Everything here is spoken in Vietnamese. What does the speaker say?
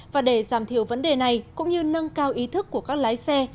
và để giảm thiểu vấn đề này cũng như nâng cao ý thức của các lái xe